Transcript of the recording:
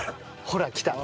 ほらきた。